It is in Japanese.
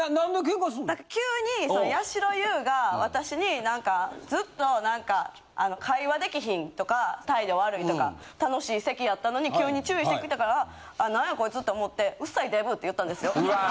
急にやしろ優が私になんかずっと「会話できひん」とか「態度悪い」とか楽しい席やったのに急に注意してきたから何やこいつと思って「うっさいデブ」って言ったんですよ。